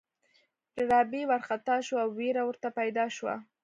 ډاربي وارخطا شو او وېره ورته پيدا شوه.